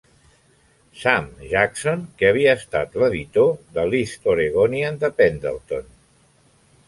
"Sam" Jackson, que havia estat l'editor de l'"East Oregonian" de Pendleton.